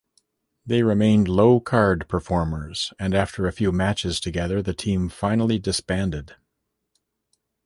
They remained low-card performers, and after a few matches together, the team finally disbanded.